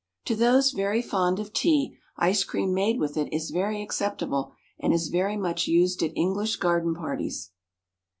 To those very fond of tea, ice cream made with it is very acceptable, and is very much used at English garden parties.